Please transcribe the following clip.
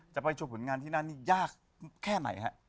จะไปโชว์ผลงานที่นั่นนี่ยากมากนะครับ